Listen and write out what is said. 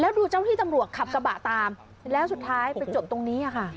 ดูเจ้าที่ตำรวจขับกระบะตามแล้วสุดท้ายไปจบตรงนี้ค่ะ